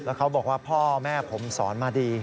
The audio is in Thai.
เขาบอกว่าพ่อแม่ผมสอนมาดี